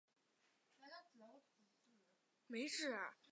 男主角为斯库路吉。